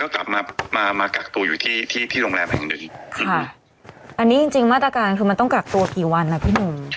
กลับมามากักตัวอยู่ที่ที่ที่โรงแรมแห่งหนึ่งค่ะอันนี้จริงจริงมาตรการคือมันต้องกักตัวกี่วันอ่ะพี่หนุ่ม